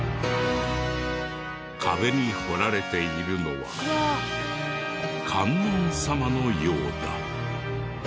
壁に彫られているのは観音様のようだ。